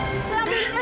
siapa yang teriaknya